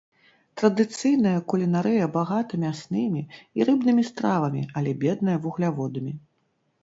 Традыцыйная кулінарыя багата мяснымі і рыбнымі стравамі, але бедная вугляводамі.